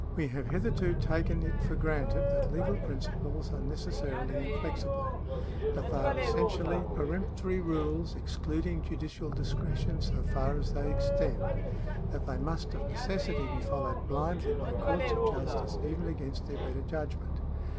We have hitherto taken it for granted that legal principles are necessarily inflexible — that they are essentially peremp tory rules excluding judicial discretion so far as they extend — that they must of necessity be followed blindly by courts of justice even against their better judgment.